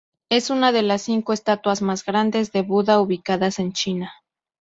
Es una de las cinco estatuas más grandes de Buda ubicadas en China.